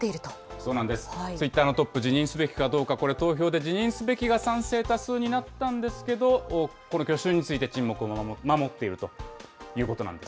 そうなんです、ツイッターのトップ、辞任すべきかどうか、これ、投票で辞任すべきが賛成多数になったんですけど、去就について沈黙を守っているということなんです。